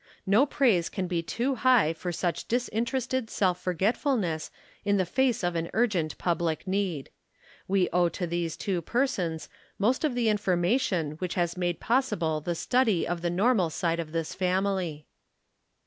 No praise can be too high for such disinterested self forgetfulness in the face of an urgent public need. We owe to these two persons most of the information which has made possible the study of the normal side of this family.